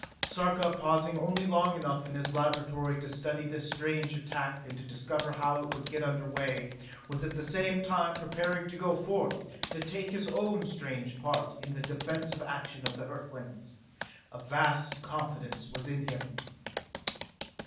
Sarka, pausing only long enough in his laboratory to study this strange attack and to discover how it would get under way, was at the same time preparing to go forth to take his own strange part in the defensive action of Earthlings. A vast confidence was in him....